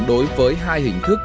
đối với hai hình thức